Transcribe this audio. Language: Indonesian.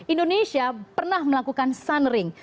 indonesia pernah melakukan sunring